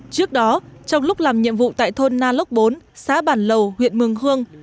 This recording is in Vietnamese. trước đó trong lúc làm nhiệm vụ tại thôn na lốc bốn xã bản lầu huyện mường khương